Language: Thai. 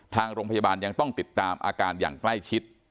ทางโรงพยาบาลยังต้องติดตามอาการอย่างใกล้ชิด